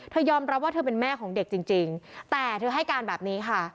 ยอมรับว่าเธอเป็นแม่ของเด็กจริงแต่เธอให้การแบบนี้ค่ะ